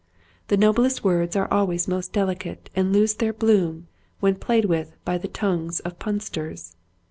The noblest words are always most delicate and lose their bloom when played with by the tongues of punsters.